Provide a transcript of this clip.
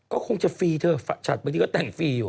ก็คงจะฟรีเธอเฉียบโตะเท่านี้ก็แต่งฟรีอยู่